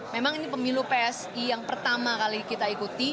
memang ini pemilu psi yang pertama kali kita ikuti